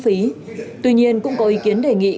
ý tuy nhiên cũng có ý kiến đề nghị